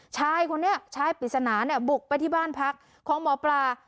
ชายคนนี้ชายปริศนาเนี่ยบุกไปที่บ้านพักของหมอปลา